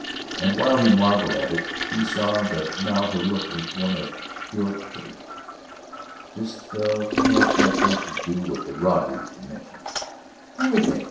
And while he marvelled at it, he saw that now her look was one of pure pity. "Just what has that got to do with the robberies you mention?" "Everything!"